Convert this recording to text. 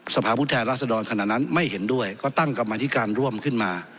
สภาพุทธแหลศดรขนาดนั้นไม่เห็นด้วยก็ตั้งกลับมาที่การร่วมขึ้นมา